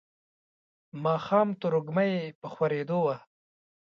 ماښام تروږمۍ په خورېدو وه.